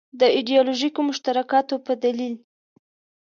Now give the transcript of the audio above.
د ایدیالوژیکو مشترکاتو په دلیل.